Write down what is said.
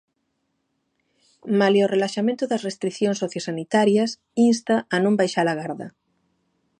Malia o relaxamento das restricións sociosanitarias, insta a "non baixar a garda".